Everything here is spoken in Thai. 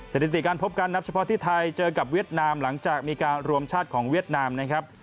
สถิติการพบกันนับเฉพาะที่ไทยเจอกับเวียดนามหลังจากมีการรวมชาติของเวียดนามนะครับ